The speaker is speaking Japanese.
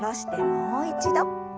もう一度。